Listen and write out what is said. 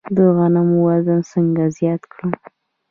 د غنمو وزن څنګه زیات کړم؟